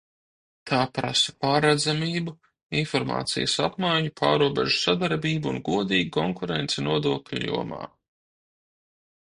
Tā prasa pārredzamību, informācijas apmaiņu, pārrobežu sadarbību un godīgu konkurenci nodokļu jomā.